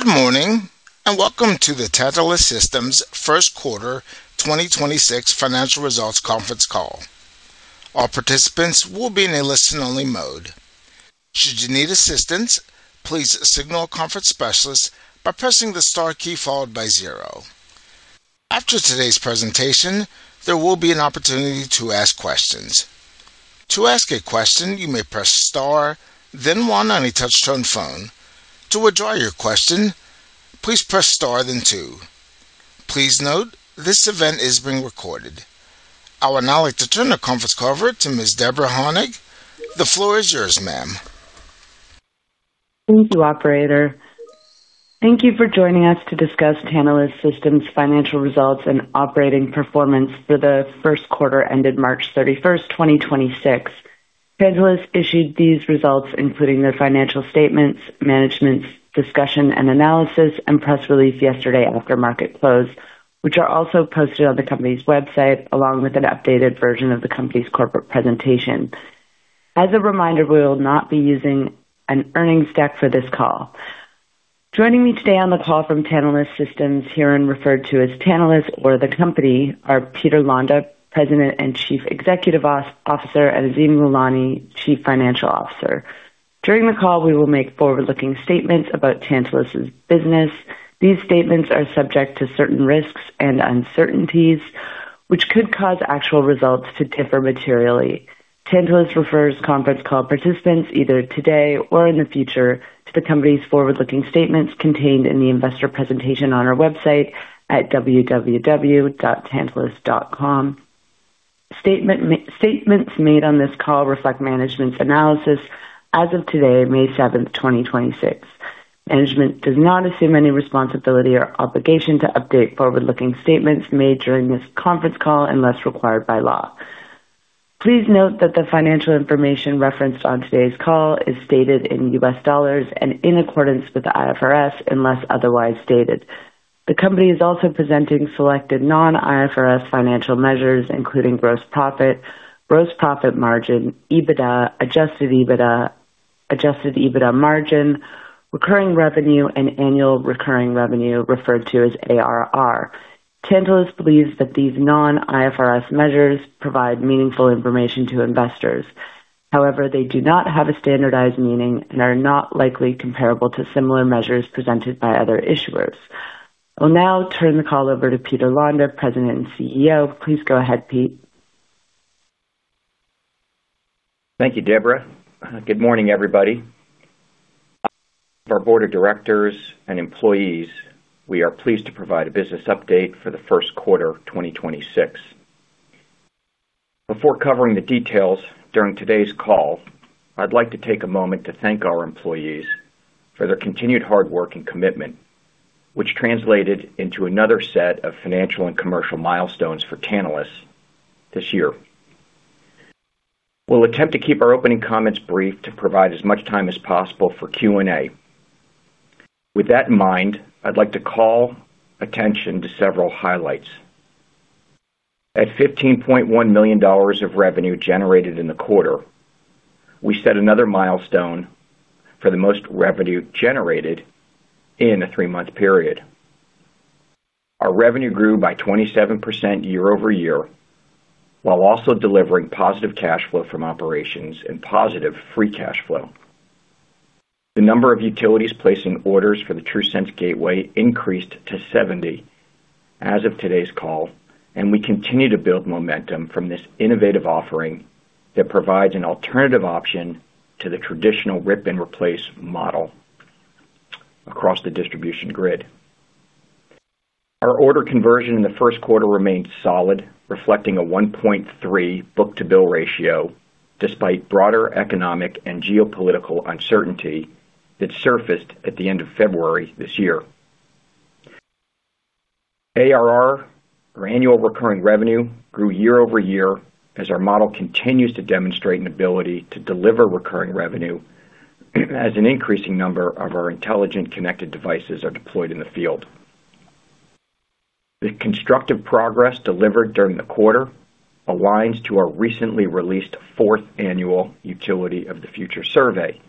Good morning, and welcome to the Tantalus Systems Q1 2026 Financial Results Conference Call. All participants will be in listen-only mode. Should you need assistance, please signal conference specialist by pressing the star key followed by zero. After today's presentation, there will be an opportunity to ask questions. To ask a question, you may press star, then one on your touch-tone phone. To withdraw your question, please press star and two. Please note, this event is being recorded. I would now like to turn the conference call over to Ms. Deborah Honig. The floor is yours, ma'am. Thank you, operator. Thank you for joining us to discuss Tantalus Systems' financial results and operating performance for the Q1 ended March 31st, 2026. Tantalus issued these results, including their financial statements, management's discussion and analysis, and press release yesterday after market close, which are also posted on the company's website, along with an updated version of the company's corporate presentation. As a reminder, we will not be using an earnings deck for this call. Joining me today on the call from Tantalus Systems, herein referred to as Tantalus or the company, are Peter Londa, President and Chief Executive Officer, and Azim Lalani, Chief Financial Officer. During the call, we will make forward-looking statements about Tantalus's business. These statements are subject to certain risks and uncertainties, which could cause actual results to differ materially. Tantalus refers conference call participants either today or in the future to the company's forward-looking statements contained in the investor presentation on our website at www.tantalus.com. Statements made on this call reflect management's analysis as of today, May 7, 2026. Management does not assume any responsibility or obligation to update forward-looking statements made during this conference call unless required by law. Please note that the financial information referenced on today's call is stated in US dollars and in accordance with the IFRS, unless otherwise stated. The company is also presenting selected non-IFRS financial measures, including gross profit, gross profit margin, EBITDA, Adjusted EBITDA, Adjusted EBITDA margin, recurring revenue, and annual recurring revenue, referred to as ARR. Tantalus believes that these non-IFRS measures provide meaningful information to investors. They do not have a standardized meaning and are not likely comparable to similar measures presented by other issuers. I'll now turn the call over to Peter Londa, President and CEO. Please go ahead, Pete. Thank you, Deborah. Good morning, everybody. Our board of directors and employees, we are pleased to provide a business update for the Q1 of 2026. Before covering the details during today's call, I'd like to take a moment to thank our employees for their continued hard work and commitment which translated into another set of financial and commercial milestones for Tantalus this year. We'll attempt to keep our opening comments brief to provide as much time as possible for Q&A. With that in mind, I'd like to call attention to several highlights. At $15.1 million of revenue generated in the quarter, we set another milestone for the most revenue generated in a three-month period. Our revenue grew by 27% year-over-year, while also delivering positive cash flow from operations and positive free cash flow. The number of utilities placing orders for the TRUSense gateway increased to 70 as of today's call, and we continue to build momentum from this innovative offering that provides an alternative option to the traditional rip-and-replace model across the distribution grid. Our order conversion in the Q1 remained solid, reflecting a 1.3 book-to-bill ratio, despite broader economic and geopolitical uncertainty that surfaced at the end of February this year. ARR, or annual recurring revenue, grew year-over-year as our model continues to demonstrate an ability to deliver recurring revenue as an increasing number of our intelligent Connected Devices are deployed in the field. The constructive progress delivered during the quarter aligns to our recently released fourth annual Utility of the Future Survey,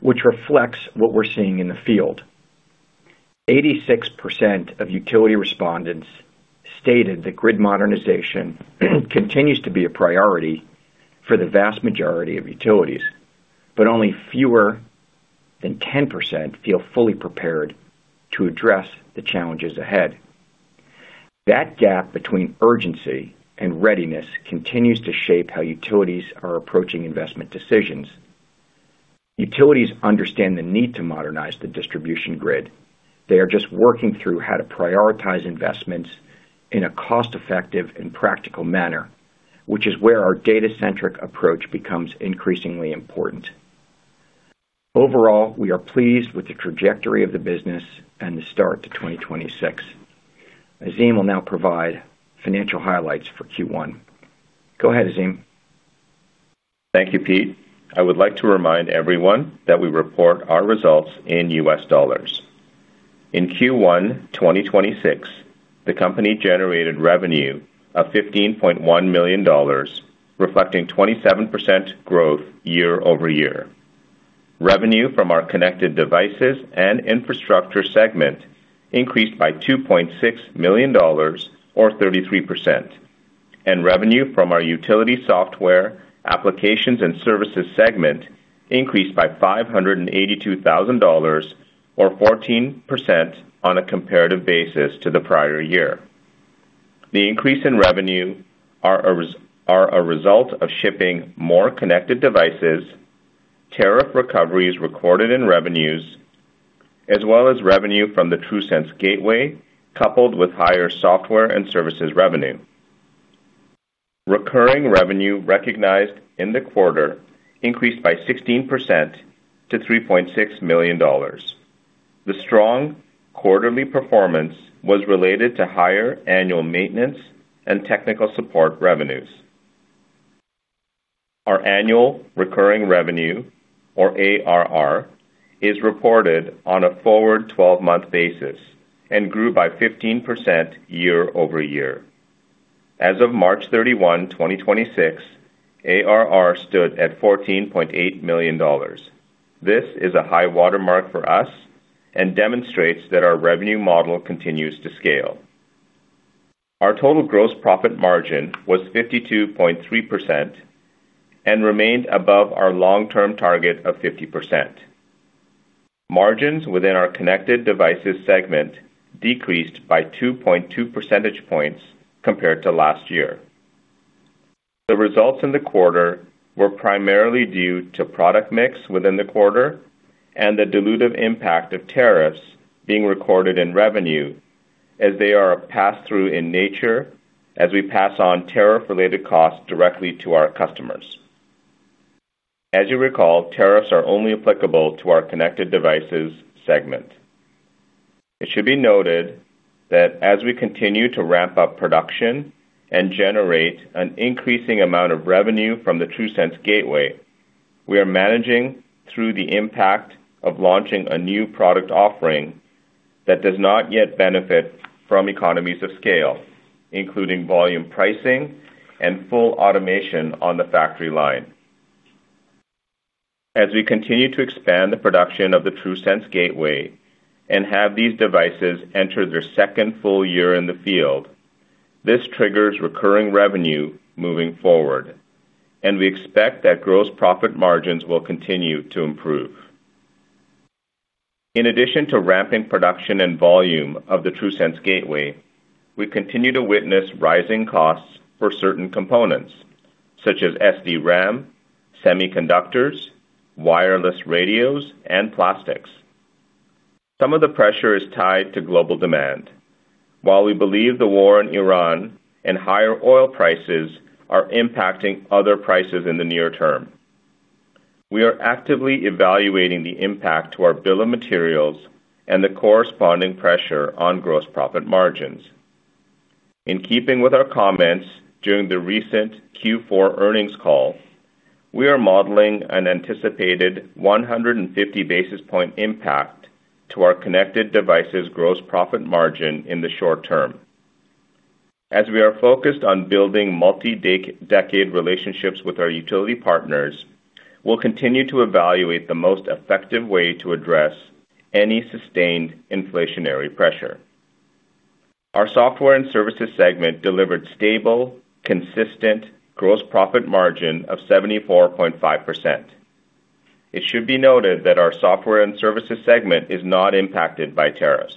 which reflects what we're seeing in the field. 86% of utility respondents stated that grid modernization continues to be a priority for the vast majority of utilities, only fewer than 10% feel fully prepared to address the challenges ahead. That gap between urgency and readiness continues to shape how utilities are approaching investment decisions. Utilities understand the need to modernize the distribution grid. They are just working through how to prioritize investments in a cost-effective and practical manner, which is where our data-centric approach becomes increasingly important. Overall, we are pleased with the trajectory of the business and the start to 2026. Azim will now provide financial highlights for Q1. Go ahead, Azim. Thank you, Pete. I would like to remind everyone that we report our results in U.S. dollars. In Q1 2026, the company generated revenue of $15.1 million, reflecting 27% growth year-over-year. Revenue from Connected Devices and infrastructure segment increased by $2.6 million or 33%. Revenue from our utility software, applications and services segment increased by $582,000, or 14% on a comparative basis to the prior year. The increase in revenue are a result of shipping more Connected Devices , tariff recoveries recorded in revenues, as well as revenue from the TRUSense Gateway, coupled with higher Software and Services revenue. Recurring revenue recognized in the quarter increased by 16% to $3.6 million. The strong quarterly performance was related to higher annual maintenance and technical support revenues. Our annual recurring revenue, or ARR, is reported on a forward 12-month basis and grew by 15% year-over-year. As of March 31, 2026, ARR stood at $14.8 million. This is a high watermark for us and demonstrates that our revenue model continues to scale. Our total gross profit margin was 52.3% and remained above our long-term target of 50%. Margins within our Connected Devices segment decreased by 2.2 percentage points compared to last year. The results in the quarter were primarily due to product mix within the quarter and the dilutive impact of tariffs being recorded in revenue as they are a pass-through in nature as we pass on tariff-related costs directly to our customers. As you recall, tariffs are only applicable to our Connected Devices segment. It should be noted that as we continue to ramp up production and generate an increasing amount of revenue from the TRUSense Gateway, we are managing through the impact of launching a new product offering that does not yet benefit from economies of scale, including volume pricing and full automation on the factory line. As we continue to expand the production of the TRUSense Gateway and have these devices enter their second full year in the field, this triggers recurring revenue moving forward, and we expect that gross profit margins will continue to improve. In addition to ramping production and volume of the TRUSense Gateway, we continue to witness rising costs for certain components such as SDRAM, semiconductors, wireless radios, and plastics. Some of the pressure is tied to global demand. While we believe the war in Iran and higher oil prices are impacting other prices in the near term, we are actively evaluating the impact to our bill of materials and the corresponding pressure on gross profit margins. In keeping with our comments during the recent Q4 earnings call, we are modeling an anticipated 150 basis point impact to our Connected Devices gross profit margin in the short term. As we are focused on building multi-decade relationships with our utility partners, we'll continue to evaluate the most effective way to address any sustained inflationary pressure. Our Software and Services segment delivered stable, consistent gross profit margin of 74.5%. It should be noted that our Software and Services segment is not impacted by tariffs.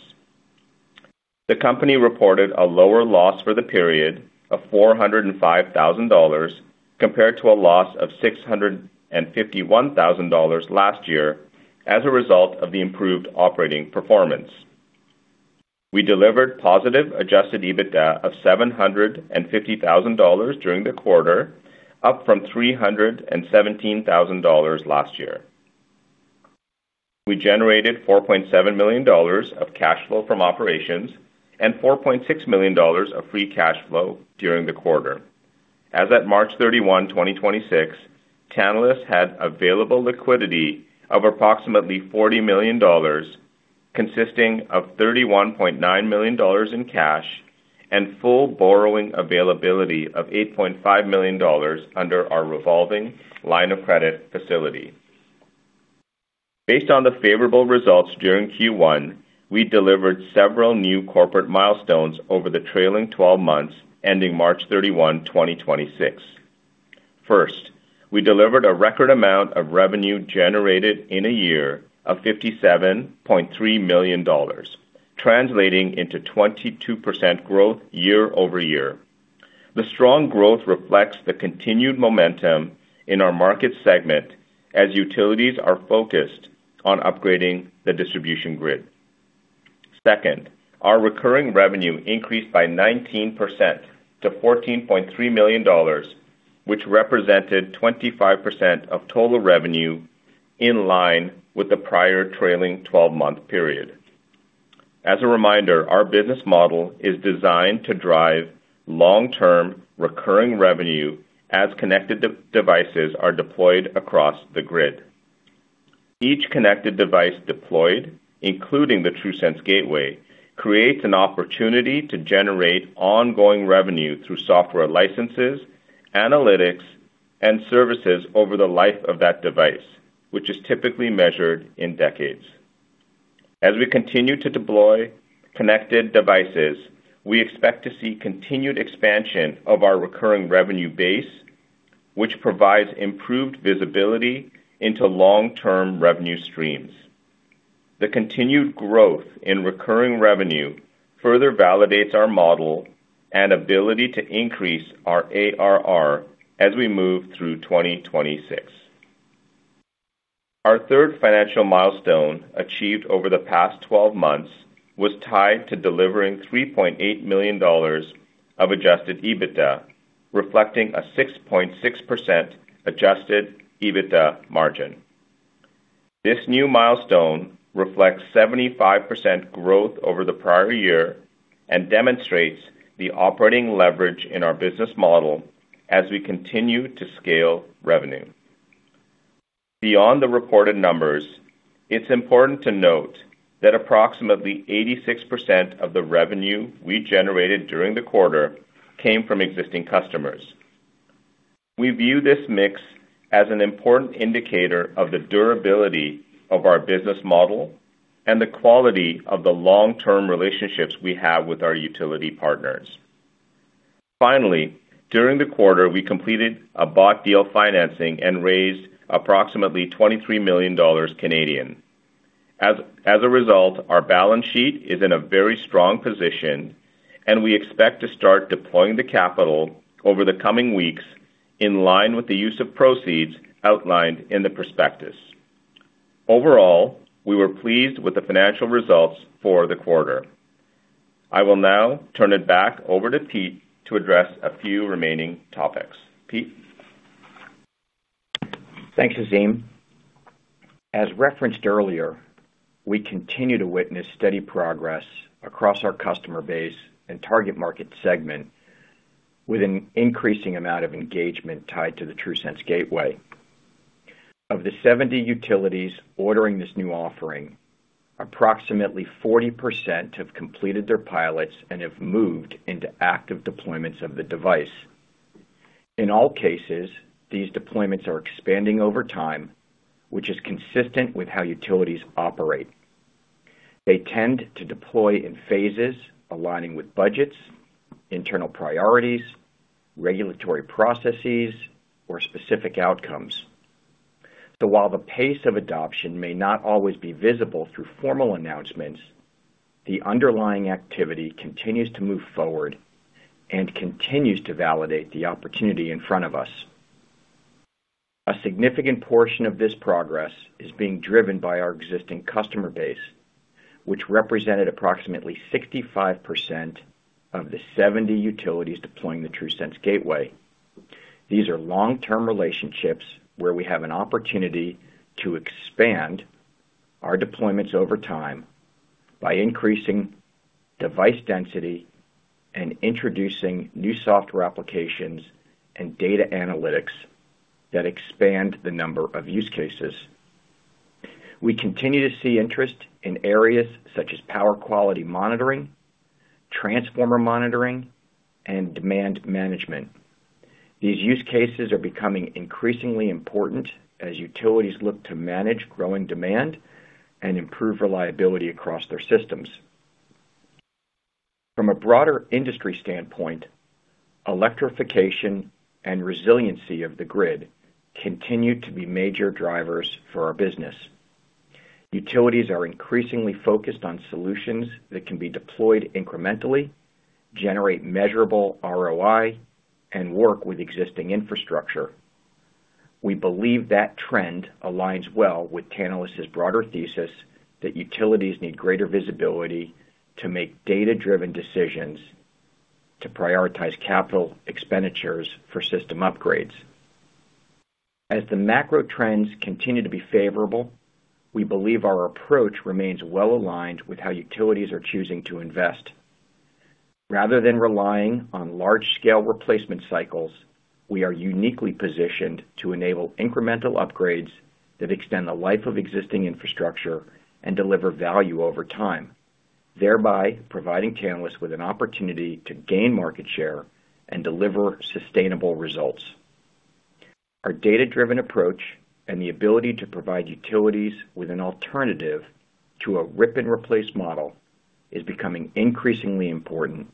The company reported a lower loss for the period of $405,000, compared to a loss of $651,000 last year as a result of the improved operating performance. We delivered positive Adjusted EBITDA of $750,000 during the quarter, up from $317,000 last year. We generated $4.7 million of cash flow from operations and $4.6 million of free cash flow during the quarter. As at March 31, 2026, Tantalus had available liquidity of approximately $40 million, consisting of $31.9 million in cash and full borrowing availability of $8.5 million under our revolving line of credit facility. Based on the favorable results during Q1, we delivered several new corporate milestones over the trailing 12 months ending March 31, 2026. First, we delivered a record amount of revenue generated in a year of $57.3 million, translating into 22% growth year-over-year. The strong growth reflects the continued momentum in our market segment as utilities are focused on upgrading the distribution grid. Second, our recurring revenue increased by 19% to $14.3 million, which represented 25% of total revenue in line with the prior trailing 12-month period. As a reminder, our business model is designed to drive long-term recurring revenue as Connected Devices are deployed across the grid. Each connected device deployed, including the TRUSense Gateway, creates an opportunity to generate ongoing revenue through software licenses, analytics, and services over the life of that device, which is typically measured in decades. As we continue to deploy Connected Devices, we expect to see continued expansion of our recurring revenue base, which provides improved visibility into long-term revenue streams. The continued growth in recurring revenue further validates our model and ability to increase our ARR as we move through 2026. Our third financial milestone achieved over the past 12 months was tied to delivering $3.8 million of Adjusted EBITDA, reflecting a 6.6% Adjusted EBITDA margin. This new milestone reflects 75% growth over the prior year and demonstrates the operating leverage in our business model as we continue to scale revenue. Beyond the reported numbers, it's important to note that approximately 86% of the revenue we generated during the quarter came from existing customers. We view this mix as an important indicator of the durability of our business model and the quality of the long-term relationships we have with our utility partners. Finally, during the quarter, we completed a bought deal financing and raised approximately 23 million Canadian dollars. As a result, our balance sheet is in a very strong position, and we expect to start deploying the capital over the coming weeks in line with the use of proceeds outlined in the prospectus. Overall, we were pleased with the financial results for the quarter. I will now turn it back over to Pete to address a few remaining topics. Pete? Thanks, Azim. As referenced earlier, we continue to witness steady progress across our customer base and target market segment with an increasing amount of engagement tied to the TRUSense Gateway. Of the 70 utilities ordering this new offering, approximately 40% have completed their pilots and have moved into active deployments of the device. In all cases, these deployments are expanding over time, which is consistent with how utilities operate. They tend to deploy in phases aligning with budgets, internal priorities, regulatory processes, or specific outcomes. While the pace of adoption may not always be visible through formal announcements, the underlying activity continues to move forward and continues to validate the opportunity in front of us. A significant portion of this progress is being driven by our existing customer base, which represented approximately 65% of the 70 utilities deploying the TRUSense Gateway. These are long-term relationships where we have an opportunity to expand our deployments over time by increasing device density and introducing new software applications and data analytics that expand the number of use cases. We continue to see interest in areas such as power quality monitoring, transformer monitoring, and demand management. These use cases are becoming increasingly important as utilities look to manage growing demand and improve reliability across their systems. From a broader industry standpoint, electrification and resiliency of the grid continue to be major drivers for our business. Utilities are increasingly focused on solutions that can be deployed incrementally, generate measurable ROI, and work with existing infrastructure. We believe that trend aligns well with Tantalus' broader thesis that utilities need greater visibility to make data-driven decisions to prioritize capital expenditures for system upgrades. As the macro trends continue to be favorable, we believe our approach remains well-aligned with how utilities are choosing to invest. Rather than relying on large-scale replacement cycles, we are uniquely positioned to enable incremental upgrades that extend the life of existing infrastructure and deliver value over time, thereby providing Tantalus with an opportunity to gain market share and deliver sustainable results. Our data-driven approach and the ability to provide utilities with an alternative to a rip-and-replace model is becoming increasingly important,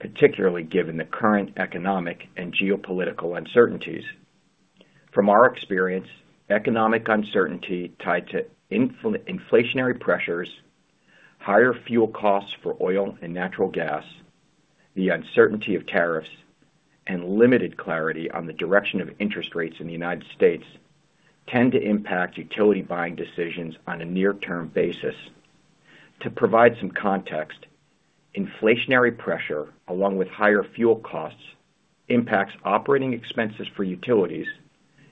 particularly given the current economic and geopolitical uncertainties. From our experience, economic uncertainty tied to inflationary pressures, higher fuel costs for oil and natural gas, the uncertainty of tariffs, and limited clarity on the direction of interest rates in the United States tend to impact utility buying decisions on a near-term basis. To provide some context, inflationary pressure, along with higher fuel costs, impacts operating expenses for utilities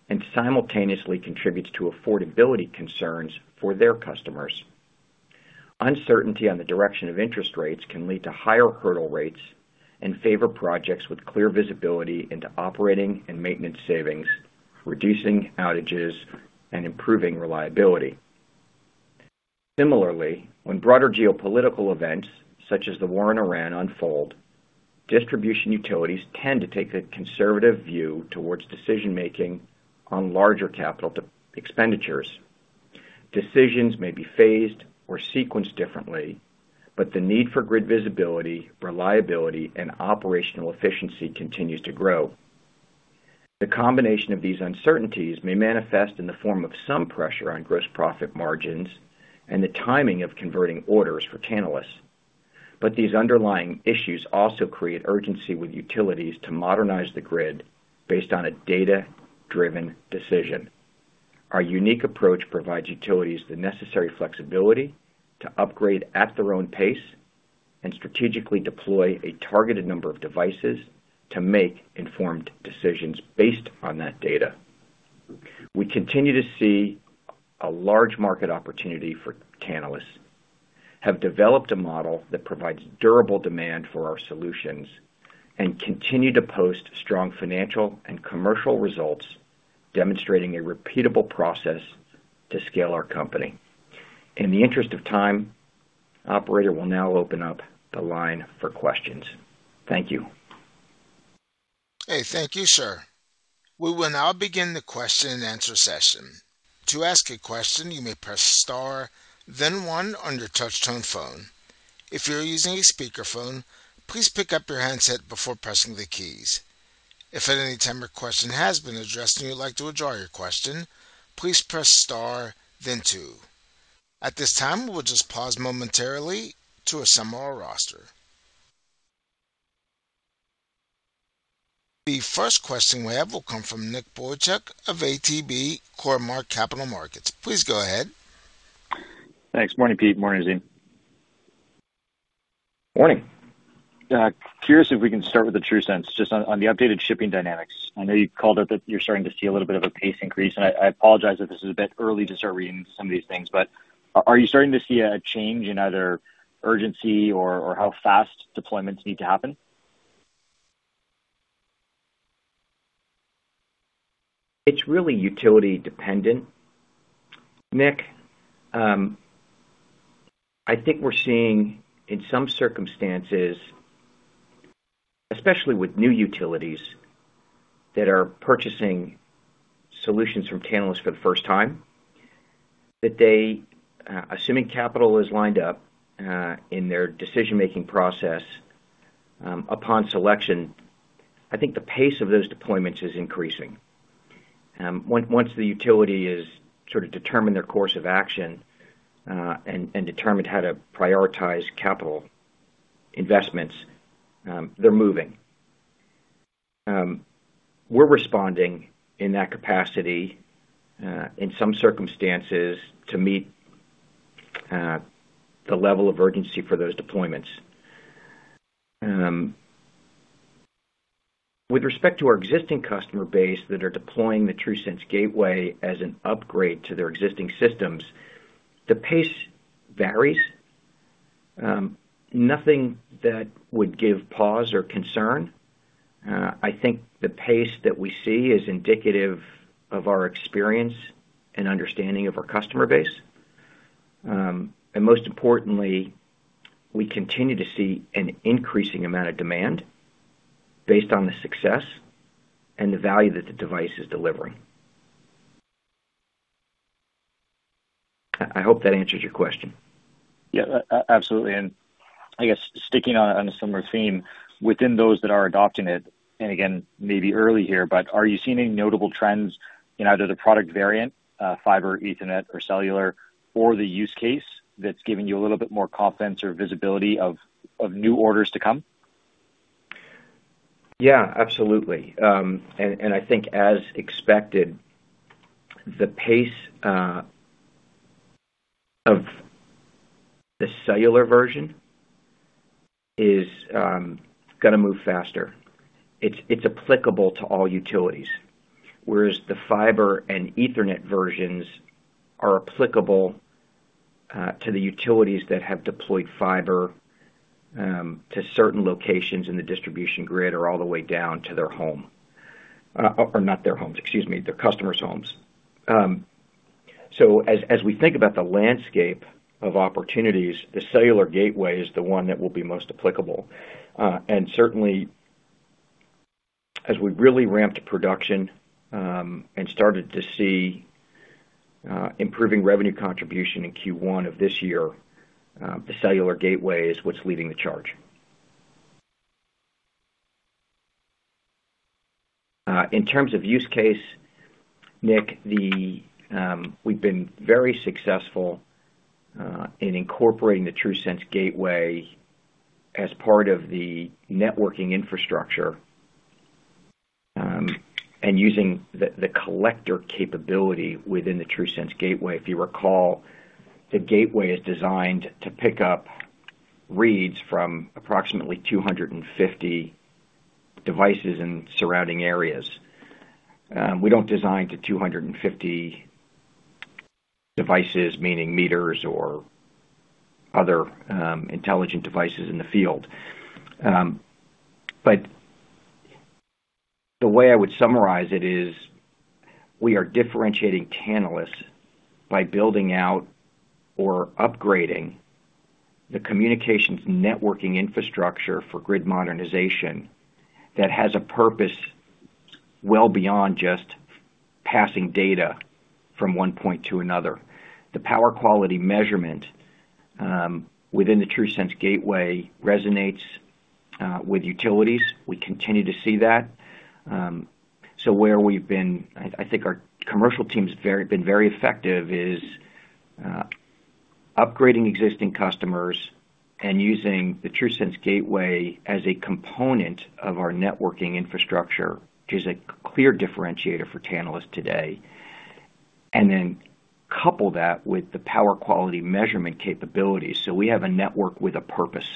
and simultaneously contributes to affordability concerns for their customers. Uncertainty on the direction of interest rates can lead to higher hurdle rates and favor projects with clear visibility into operating and maintenance savings, reducing outages and improving reliability. Similarly, when broader geopolitical events such as the war in Iran unfold, distribution utilities tend to take a conservative view towards decision-making on larger capital expenditures. Decisions may be phased or sequenced differently, but the need for grid visibility, reliability, and operational efficiency continues to grow. The combination of these uncertainties may manifest in the form of some pressure on gross profit margins and the timing of converting orders for Tantalus. These underlying issues also create urgency with utilities to modernize the grid based on a data-driven decision. Our unique approach provides utilities the necessary flexibility to upgrade at their own pace and strategically deploy a targeted number of devices to make informed decisions based on that data. We continue to see a large market opportunity for Tantalus, have developed a model that provides durable demand for our solutions, and continue to post strong financial and commercial results, demonstrating a repeatable process to scale our company. In the interest of time, operator will now open up the line for questions. Thank you. Hey, thank you, sir. We will now begin the question and answer session. To ask a question, you may press star then one on your touch-tone phone. If you're using a speakerphone, please pick up your handset before pressing the keys. If at any time your question has been addressed and you'd like to withdraw your question, please press star then two. At this time, we'll just pause momentarily to assemble our roster. The first question we have will come from Nick Boychuk of ATB Cormark Capital Markets. Please go ahead. Thanks. Morning, Pete. Morning, Azim. Morning. Curious if we can start with the TRUSense, just on the updated shipping dynamics. I know you called out that you're starting to see a little bit of a pace increase, and I apologize if this is a bit early to start reading some of these things, but are you starting to see a change in either urgency or how fast deployments need to happen? It's really utility dependent, Nick. I think we're seeing in some circumstances, especially with new utilities that are purchasing solutions from Tantalus for the first time, that they, assuming capital is lined up in their decision-making process, upon selection, I think the pace of those deployments is increasing. Once the utility is sort of determined their course of action and determined how to prioritize capital investments, they're moving. We're responding in that capacity, in some circumstances to meet the level of urgency for those deployments. With respect to our existing customer base that are deploying the TRUSense Gateway as an upgrade to their existing systems, the pace varies. Nothing that would give pause or concern. I think the pace that we see is indicative of our experience and understanding of our customer base. Most importantly, we continue to see an increasing amount of demand based on the success and the value that the device is delivering. I hope that answers your question. Yeah. Absolutely. I guess sticking on a similar theme, within those that are adopting it, and again, may be early here, but are you seeing any notable trends in either the product variant, fiber, ethernet, or cellular, or the use case that's giving you a little bit more confidence or visibility of new orders to come? Yeah, absolutely. I think as expected, the pace of the cellular version is going to move faster. It's applicable to all utilities, whereas the fiber and ethernet versions are applicable to the utilities that have deployed fiber to certain locations in the distribution grid or all the way down to their home. Or not their homes, excuse me, their customers' homes. As we think about the landscape of opportunities, the Cellular Gateway is the one that will be most applicable. Certainly as we really ramped production and started to see improving revenue contribution in Q1 of this year, the Cellular Gateway is what's leading the charge. In terms of use case, Nick, we've been very successful in incorporating the TRUSense Gateway as part of the networking infrastructure, and using the collector capability within the TRUSense Gateway. If you recall, the Gateway is designed to pick up reads from approximately 250 devices in surrounding areas. We don't design to 250 devices, meaning meters or other intelligent devices in the field. But the way I would summarize it is we are differentiating Tantalus by building out or upgrading the communications networking infrastructure for grid modernization that has a purpose well beyond just passing data from one point to another. The power quality measurement within the TRUSense Gateway resonates with utilities. We continue to see that. I think our commercial team's been very effective is upgrading existing customers and using the TRUSense Gateway as a component of our networking infrastructure, which is a clear differentiator for Tantalus today. Then couple that with the power quality measurement capabilities, so we have a network with a purpose.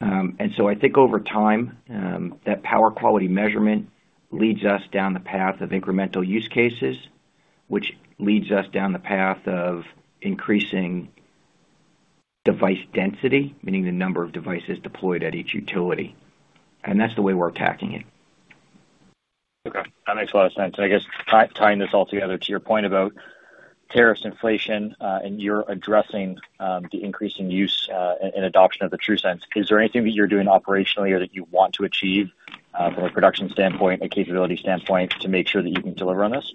I think over time, that power quality measurement leads us down the path of incremental use cases, which leads us down the path of increasing device density, meaning the number of devices deployed at each utility. That's the way we're attacking it. Okay. That makes a lot of sense. I guess tying this all together to your point about tariff inflation, and you're addressing the increase in use and adoption of the TRUSense, is there anything that you're doing operationally or that you want to achieve from a production standpoint, a capability standpoint, to make sure that you can deliver on this?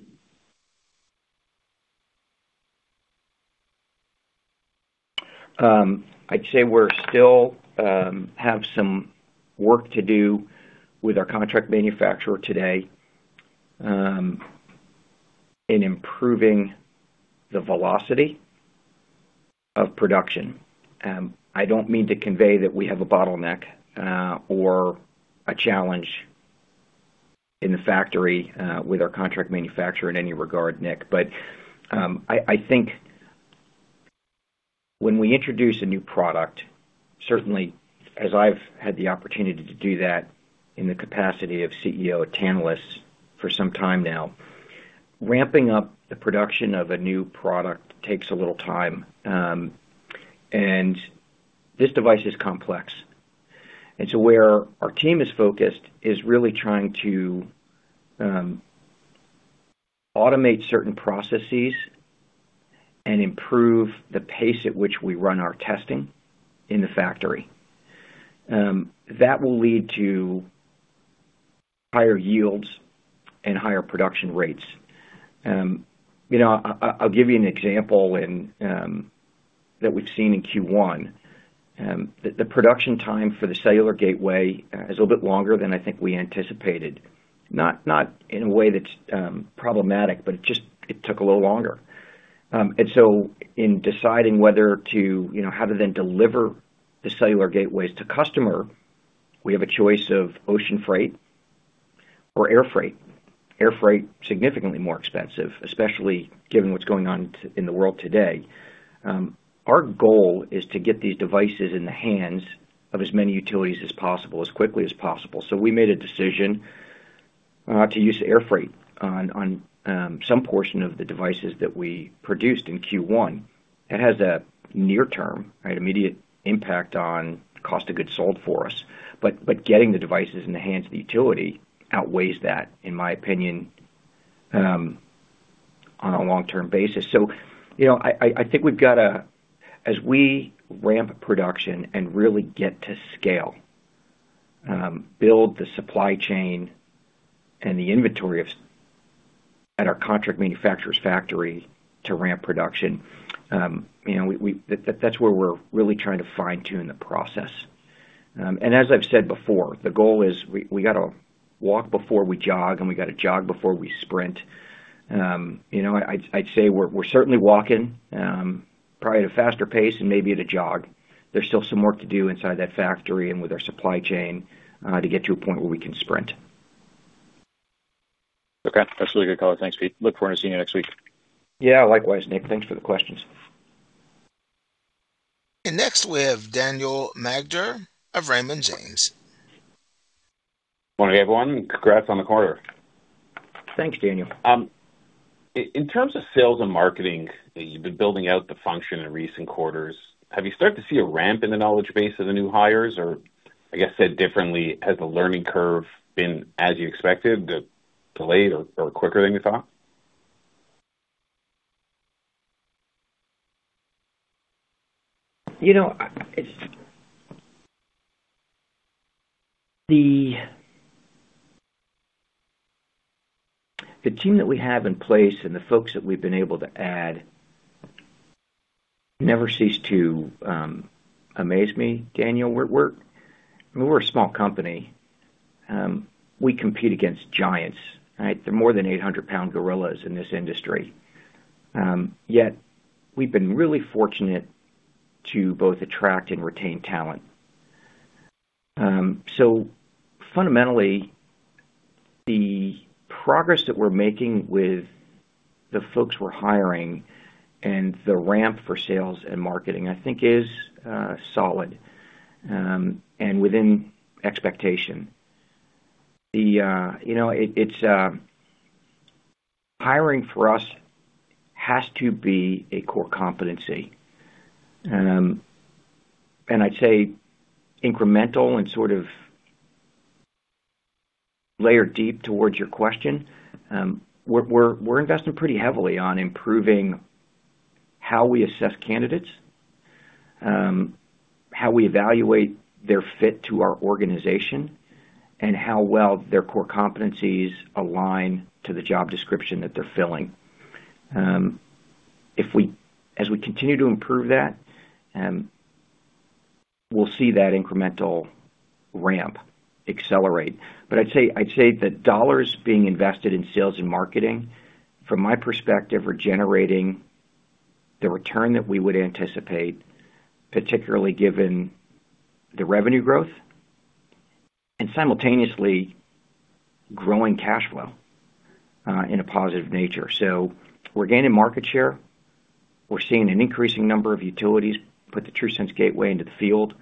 I'd say we're still have some work to do with our contract manufacturer today, in improving the velocity of production. I don't mean to convey that we have a bottleneck, or a challenge in the factory, with our contract manufacturer in any regard, Nick. I think when we introduce a new product, certainly as I've had the opportunity to do that in the capacity of CEO at Tantalus for some time now, ramping up the production of a new product takes a little time. This device is complex. Where our team is focused is really trying to automate certain processes and improve the pace at which we run our testing in the factory. That will lead to higher yields and higher production rates. You know, I'll give you an example that we've seen in Q1. The production time for the Cellular Gateway is a little bit longer than I think we anticipated. Not in a way that's problematic, but it took a little longer. In deciding whether to, you know, how to then deliver the Cellular Gateways to customer, we have a choice of ocean freight or air freight. Air freight, significantly more expensive, especially given what's going on in the world today. Our goal is to get these devices in the hands of as many utilities as possible, as quickly as possible. We made a decision to use air freight on some portion of the devices that we produced in Q1. It has a near term, right, immediate impact on cost of goods sold for us. Getting the devices in the hands of the utility outweighs that, in my opinion, on a long-term basis. You know, I think as we ramp production and really get to scale, build the supply chain and the inventory at our contract manufacturer's factory to ramp production, you know, that's where we're really trying to fine-tune the process. As I've said before, the goal is we gotta walk before we jog, and we gotta jog before we sprint. You know, I'd say we're certainly walking, probably at a faster pace and maybe at a jog. There's still some work to do inside that factory and with our supply chain to get to a point where we can sprint. Okay. That's really good, Color. Thanks, Pete. Look forward to seeing you next week. Yeah. Likewise, Nick. Thanks for the questions. Next, we have Daniel Magder of Raymond James. Morning, everyone. Congrats on the quarter. Thanks, Daniel. In terms of sales and marketing, you've been building out the function in recent quarters. Have you started to see a ramp in the knowledge base of the new hires? I guess said differently, has the learning curve been as you expected, delayed or quicker than you thought? You know, the team that we have in place and the folks that we've been able to add never cease to amaze me, Daniel. We're a small company. We compete against giants, right? They're more than 800 pound gorillas in this industry. Yet we've been really fortunate to both attract and retain talent. Fundamentally, the progress that we're making with the folks we're hiring and the ramp for sales and marketing, I think is solid and within expectation. You know, it's Hiring for us has to be a core competency. I'd say incremental and sort of layer deep towards your question. We're investing pretty heavily on improving how we assess candidates, how we evaluate their fit to our organization, and how well their core competencies align to the job description that they're filling. As we continue to improve that, we'll see that incremental ramp accelerate. I'd say the dollars being invested in sales and marketing, from my perspective, are generating the return that we would anticipate, particularly given the revenue growth and simultaneously growing cash flow in a positive nature. We're gaining market share. We're seeing an increasing number of utilities put the TRUSense Gateway into the field.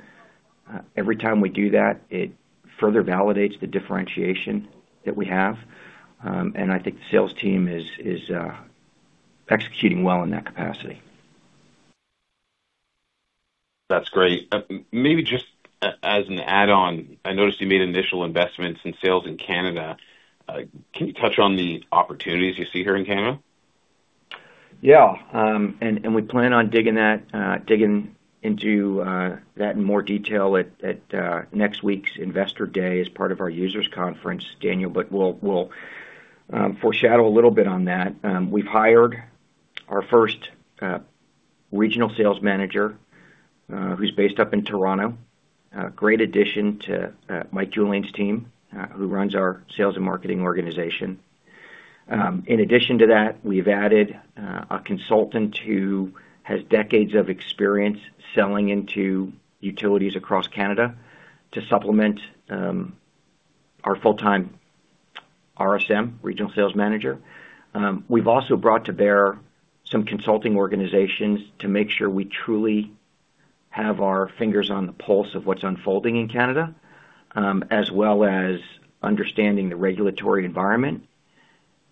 Every time we do that, it further validates the differentiation that we have. I think the sales team is executing well in that capacity. That's great. Maybe just as an add-on, I noticed you made initial investments in sales in Canada. Can you touch on the opportunities you see here in Canada? Yeah. We plan on digging into that in more detail at next week's Investor Day as part of our users conference, Daniel, but we'll foreshadow a little bit on that. We've hired our first regional sales manager, who's based up in Toronto. A great addition to Michael Julian's team, who runs our sales and marketing organization. In addition to that, we've added a consultant who has decades of experience selling into utilities across Canada to supplement our full-time RSM, regional sales manager. We've also brought to bear some consulting organizations to make sure we truly have our fingers on the pulse of what's unfolding in Canada, as well as understanding the regulatory environment.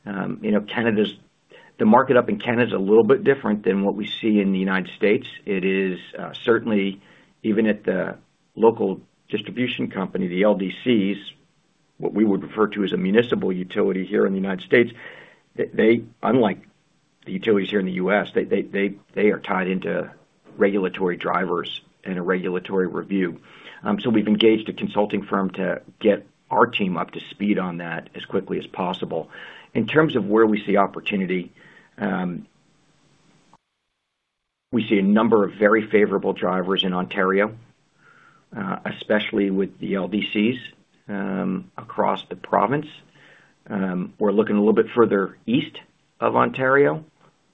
You know, the market up in Canada is a little bit different than what we see in the United States. It is certainly even at the local distribution company, the LDCs, what we would refer to as a municipal utility here in the U.S., unlike the utilities here in the U.S., they are tied into regulatory drivers and a regulatory review. We've engaged a consulting firm to get our team up to speed on that as quickly as possible. In terms of where we see opportunity, we see a number of very favorable drivers in Ontario, especially with the LDCs, across the province. We're looking a little bit further east of Ontario,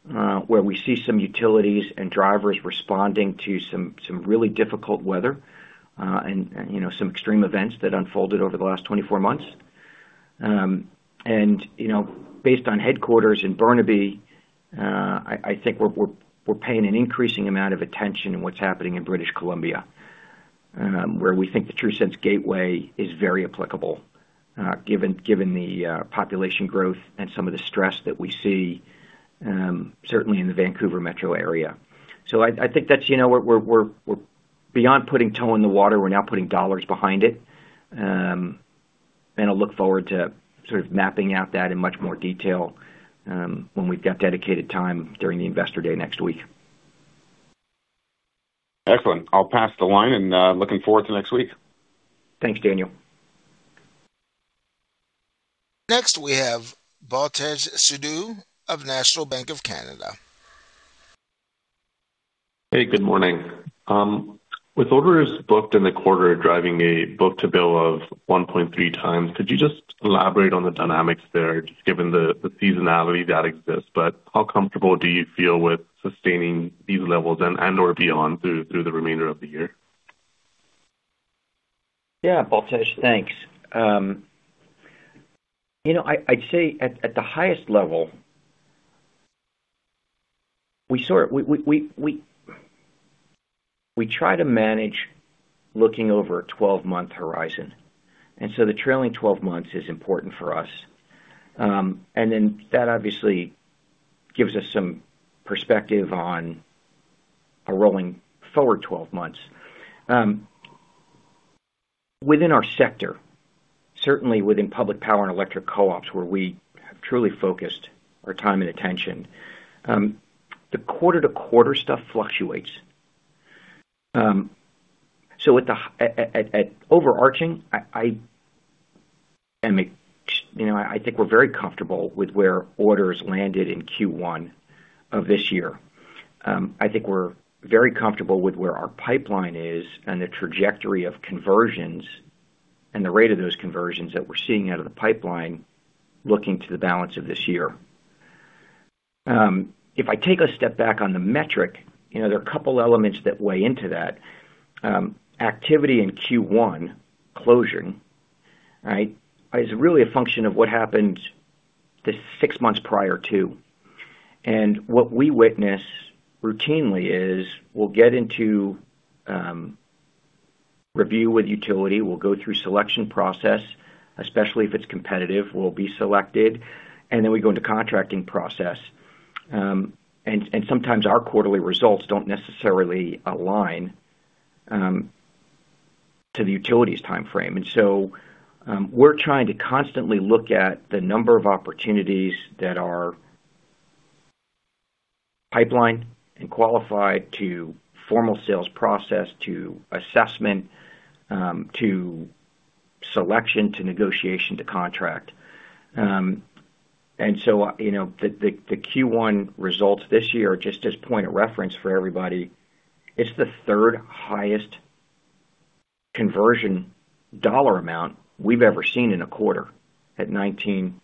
where we see some utilities and drivers responding to some really difficult weather, and, you know, some extreme events that unfolded over the last 24 months. You know, based on headquarters in Burnaby, I think we're paying an increasing amount of attention in what's happening in British Columbia, where we think the TRUSense Gateway is very applicable, given the population growth and some of the stress that we see, certainly in the Vancouver metro area. I think that's, you know, we're beyond putting toe in the water. We're now putting dollars behind it. I look forward to sort of mapping out that in much more detail, when we've got dedicated time during the Investor Day next week. Excellent. I'll pass the line, and, looking forward to next week. Thanks, Daniel. Next, we have Baltej Sidhu of National Bank of Canada. Hey, good morning. With orders booked in the quarter driving a book-to-bill of 1.3x, could you just elaborate on the dynamics there, just given the seasonality that exists? How comfortable do you feel with sustaining these levels and/or beyond through the remainder of the year? Baltej, thanks. You know, I'd say at the highest level, we try to manage looking over a 12-month horizon, the trailing 12 months is important for us. That obviously gives us some perspective on a rolling forward 12 months. Within our sector, certainly within public power and electric co-ops, where we have truly focused our time and attention, the quarter-to-quarter stuff fluctuates. With overarching, you know, I think we're very comfortable with where orders landed in Q1 of this year. I think we're very comfortable with where our pipeline is and the trajectory of conversions and the rate of those conversions that we're seeing out of the pipeline looking to the balance of this year. If I take a step back on the metric, you know, there are a couple elements that weigh into that. Activity in Q1, It's really a function of what happened the six months prior to. What we witness routinely is we'll get into review with utility, we'll go through selection process, especially if it's competitive, we'll be selected, and then we go into contracting process. And sometimes our quarterly results don't necessarily align to the utilities timeframe. We're trying to constantly look at the number of opportunities that are pipelined and qualified to formal sales process, to assessment, to selection, to negotiation, to contract. The Q1 results this year, just as point of reference for everybody, it's the third-highest conversion dollar amount we've ever seen in a quarter at $19.6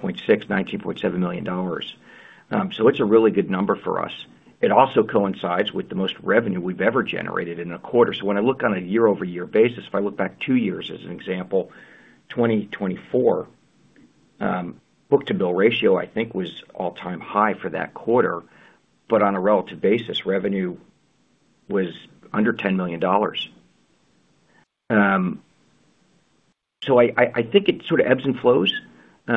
million-$19.7 million. It's a really good number for us. It also coincides with the most revenue we've ever generated in a quarter. When I look on a year-over-year basis, if I look back two years as an example, 2024 book-to-bill ratio I think was all-time high for that quarter. On a relative basis, revenue was under $10 million. I think it sort of ebbs and flows. The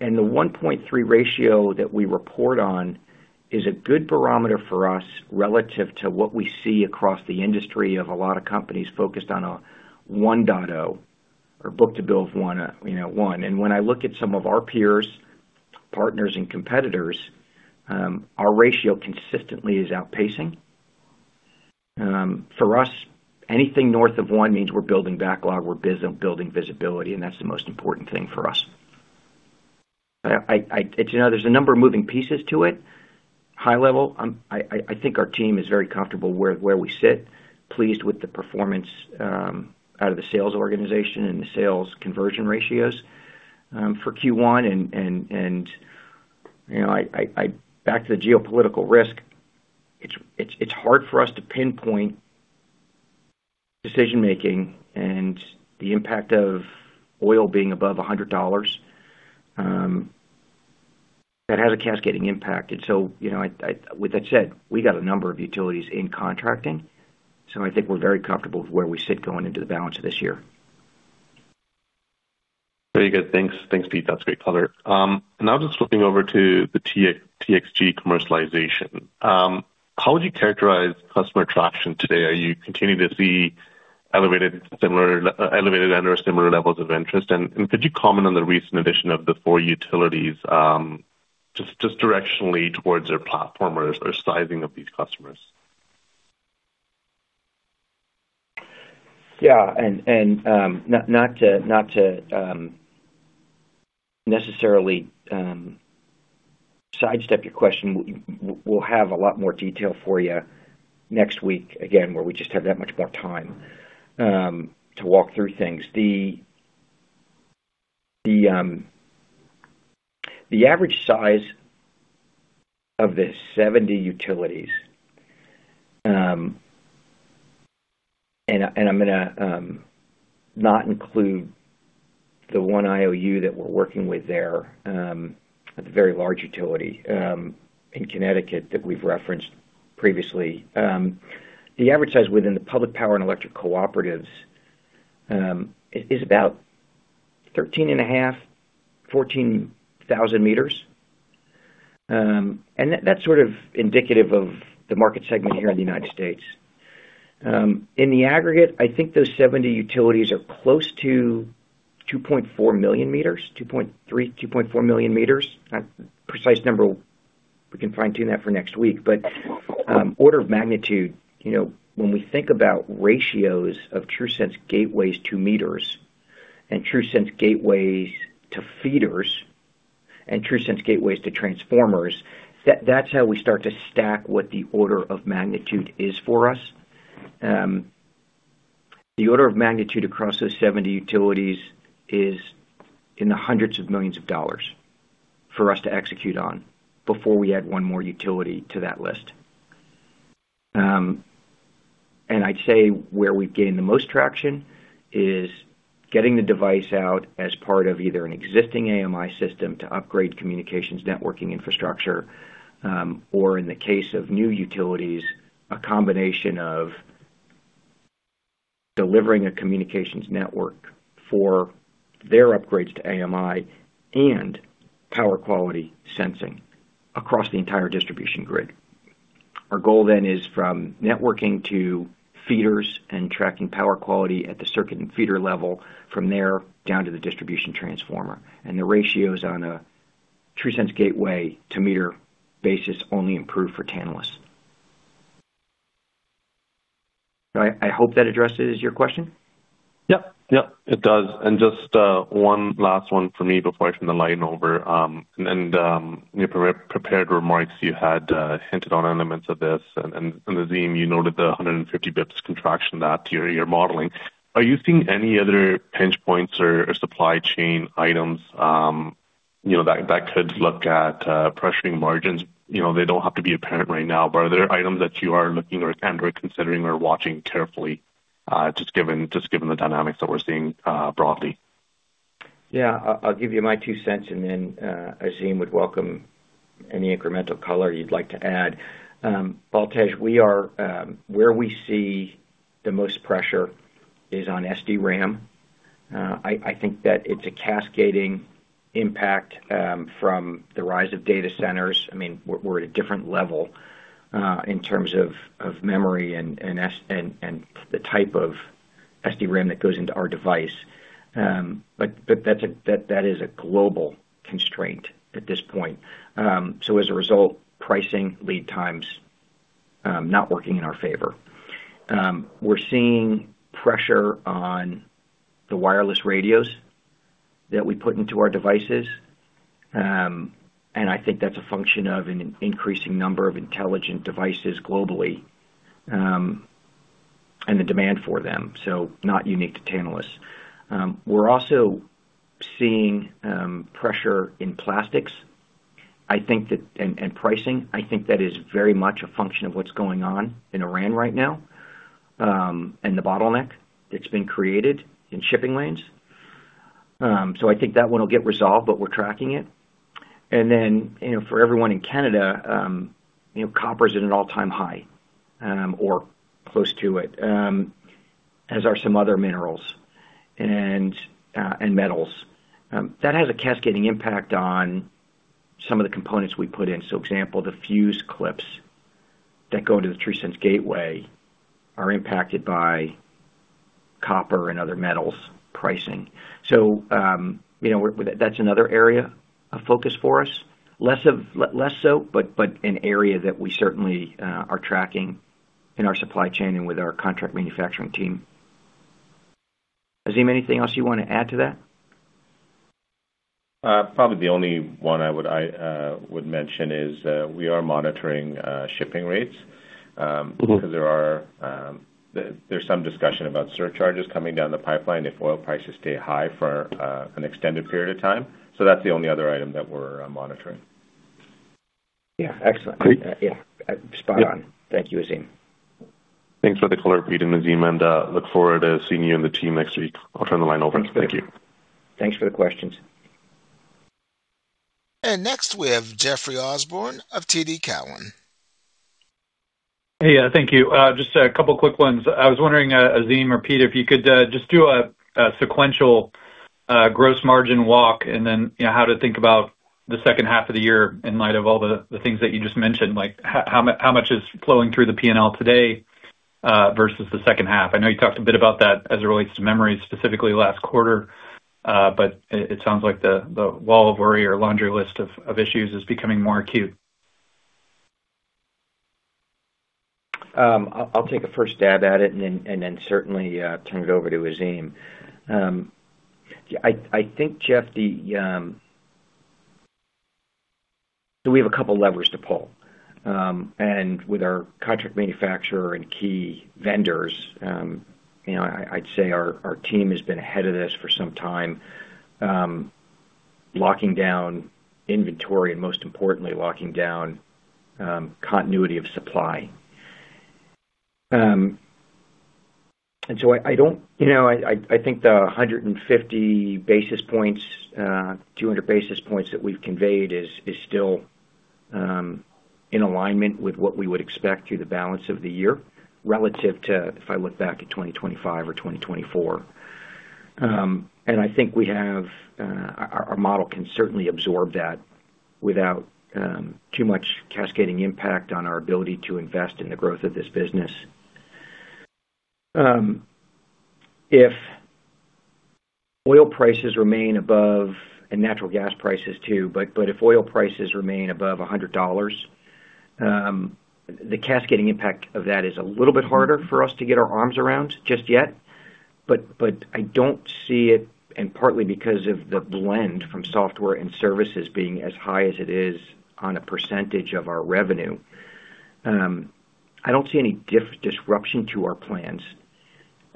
1.3 ratio that we report on is a good barometer for us relative to what we see across the industry of a lot of companies focused on a 1.0 or book-to-bill of 1. When I look at some of our peers, partners, and competitors, our ratio consistently is outpacing. For us, anything north of one means we're building backlog, we're building visibility, and that's the most important thing for us. I, you know, there's a number of moving pieces to it. High level, I think our team is very comfortable where we sit, pleased with the performance out of the sales organization and the sales conversion ratios for Q1. You know, back to the geopolitical risk, it's hard for us to pinpoint decision-making and the impact of oil being above 100 dollars, that has a cascading impact. you know, with that said, we got a number of utilities in contracting, so I think we're very comfortable with where we sit going into the balance of this year. Very good. Thanks. Thanks, Pete. That's great color. Now just flipping over to the TXG commercialization. How would you characterize customer traction today? Are you continuing to see elevated and/or similar levels of interest? Could you comment on the recent addition of the four utilities, just directionally towards their platform or sizing of these customers? Yeah. Not to necessarily sidestep your question. We'll have a lot more detail for you next week, again, where we just have that much more time to walk through things. The average size of the 70 utilities, and I'm gonna not include the one IOU that we're working with there, the very large utility in Connecticut that we've referenced previously. The average size within the public power and electric cooperatives is about 13,500-14,000 meters. That's sort of indicative of the market segment here in the U.S. In the aggregate, I think those 70 utilities are close to 2.4 million meters, 2.3 million-2.4 million meters. Precise number, we can fine-tune that for next week. Order of magnitude, you know, when we think about ratios of TRUSense gateway gateways to meters and TRUSense Gateways to feeders and TRUSense gateway gateways to transformers, that's how we start to stack what the order of magnitude is for us. The order of magnitude across those 70 utilities is in the hundreds of millions of dollars for us to execute on before we add one more utility to that list. And I'd say where we've gained the most traction is getting the device out as part of either an existing AMI system to upgrade communications networking infrastructure, or in the case of new utilities, a combination of delivering a communications network for their upgrades to AMI and power quality sensing across the entire distribution grid. Our goal then is from networking to feeders and tracking power quality at the circuit and feeder level, from there down to the distribution transformer. The ratios on a TRUSense Gateway-to-meter basis only improve for Tantalus. I hope that addresses your question. Yep. Yep, it does. Just one last one for me before I turn the line over. In your prepared remarks, you had hinted on elements of this and in the theme, you noted the 150 basis points contraction that you're modeling. Are you seeing any other pinch points or supply chain items, you know, that could look at pressuring margins? You know, they don't have to be apparent right now, but are there items that you are looking or, and, or considering or watching carefully, just given, just given the dynamics that we're seeing, broadly? Yeah. I'll give you my two cents and then, Azim would welcome any incremental color you'd like to add. Baltej, we are, where we see the most pressure is on SDRAM. I think that it's a cascading impact from the rise of data centers. I mean, we're at a different level in terms of memory and the type of SDRAM that goes into our device. That is a global constraint at this point. As a result, pricing lead times, not working in our favor. We're seeing pressure on the wireless radios that we put into our devices. I think that's a function of an increasing number of intelligent devices globally, and the demand for them, so not unique to Tantalus. We're also seeing pressure in plastics. I think that is very much a function of what's going on in Iran right now, and the bottleneck that's been created in shipping lanes. I think that one will get resolved, but we're tracking it. Then, you know, for everyone in Canada, you know, copper is at an all-time high, or close to it, as are some other minerals and metals. That has a cascading impact on some of the components we put in. Example, the fuse clips that go into the TRUSense Gateway are impacted by copper and other metals pricing. You know, that's another area of focus for us. Less of less so, but an area that we certainly are tracking in our supply chain and with our contract manufacturing team. Azim, anything else you wanna add to that? Probably the only one I would mention is we are monitoring shipping rates. Because there are, there's some discussion about surcharges coming down the pipeline if oil prices stay high for an extended period of time. That's the only other item that we're monitoring. Yeah. Excellent. Great. Yeah. spot on. Thank you, Azim. Thanks for the color, Pete and Azim, and look forward to seeing you and the team next week. I'll turn the line over. Thank you. Thanks for the questions. Next, we have Jeffrey Osborne of TD Cowen. Hey. Thank you. Just a couple quick ones. I was wondering, Azim or Pete, if you could just do a sequential gross margin walk, and then, you know, how to think about the second half of the year in light of all the things that you just mentioned. Like how much is flowing through the P&L today versus the second half? I know you talked a bit about that as it relates to memory, specifically last quarter. It sounds like the wall of worry or laundry list of issues is becoming more acute. I'll take a first stab at it and then certainly turn it over to Azim. Jeff, we have a couple levers to pull. With our contract manufacturer and key vendors, our team has been ahead of this for some time, locking down inventory and most importantly, locking down continuity of supply. I think the 150 basis points, 200 basis points that we've conveyed is still in alignment with what we would expect through the balance of the year relative to if I look back at 2025 or 2024. I think we have, our model can certainly absorb that without too much cascading impact on our ability to invest in the growth of this business. If oil prices remain above, and natural gas prices too, if oil prices remain above $100, the cascading impact of that is a little bit harder for us to get our arms around just yet. I don't see it, and partly because of the blend from Software and Services being as high as it is on a percentage of our revenue, I don't see any disruption to our plans.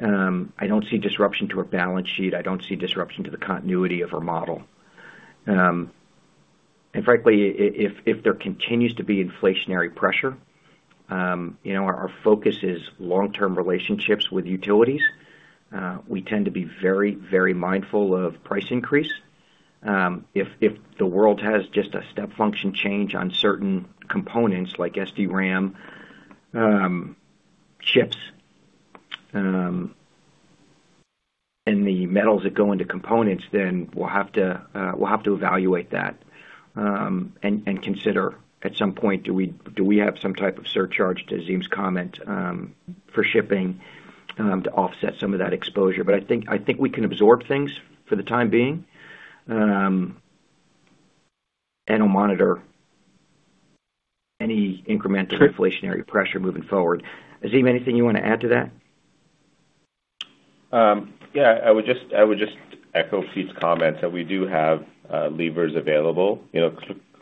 I don't see disruption to our balance sheet. I don't see disruption to the continuity of our model. Frankly, if there continues to be inflationary pressure, our focus is long-term relationships with utilities. We tend to be very mindful of price increase. If the world has just a step function change on certain components like SDRAM chips and the metals that go into components, then we'll have to evaluate that and consider at some point, do we have some type of surcharge to Azim's comment for shipping to offset some of that exposure. I think we can absorb things for the time being, and we'll monitor any incremental inflationary pressure moving forward. Azim, anything you wanna add to that? Yeah. I would just echo Pete's comments that we do have levers available. You know,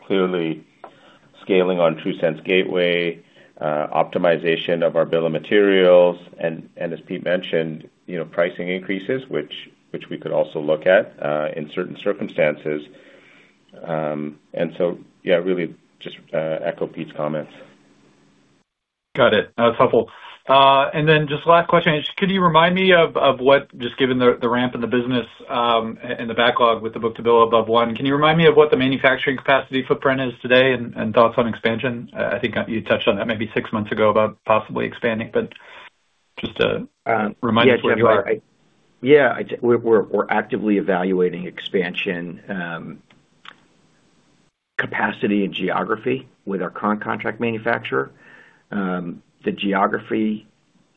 clearly scaling on TRUSense Gateway, optimization of our bill of materials and as Pete mentioned, you know, pricing increases, which we could also look at in certain circumstances. Yeah, really just echo Pete's comments. Got it. That's helpful. Just last question. Can you remind me of what, just given the ramp in the business and the backlog with the book-to-bill above 1, can you remind me of what the manufacturing capacity footprint is today and thoughts on expansion? I think you touched on that maybe six months ago about possibly expanding, just to remind us where you are. Yeah, Jeff. Yeah, we're actively evaluating expansion, capacity and geography with our current contract manufacturer. The geography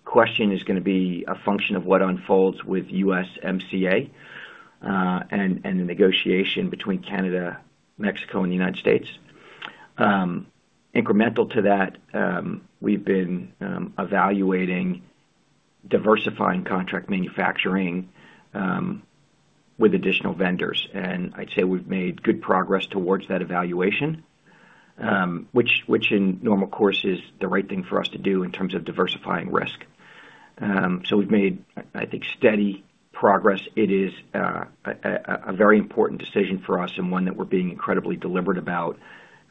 question is gonna be a function of what unfolds with USMCA and the negotiation between Canada, Mexico, and the United States. Incremental to that, we've been evaluating diversifying contract manufacturing with additional vendors. I'd say we've made good progress towards that evaluation, which in normal course is the right thing for us to do in terms of diversifying risk. We've made, I think, steady progress. It is a very important decision for us and one that we're being incredibly deliberate about